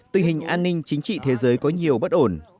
tình hình an ninh chính trị thế giới có nhiều bất ổn